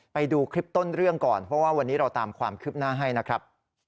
ไปดูคลิปต้นเรื่องก่อนเพราะว่าวันนี้เราตามความคืบหน้าให้นะครับ